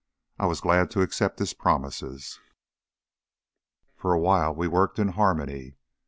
I was glad to accept his promises. "For a while we worked in harmony.